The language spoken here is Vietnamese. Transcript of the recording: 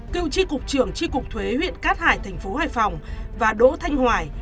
cựu chi cục trưởng chi cục thuế huyện cát hải tp hải phòng và đỗ thanh hoài